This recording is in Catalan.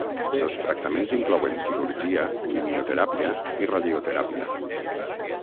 Els tractaments inclouen cirurgia, quimioteràpia i radioteràpia.